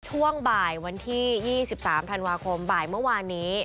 ช่วงบ่ายวันที่๒๓ธันวาคมบ่ายเมื่อวานนี้